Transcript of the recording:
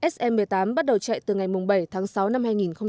sm một mươi tám bắt đầu chạy từ ngày bảy tháng sáu năm hai nghìn một mươi tám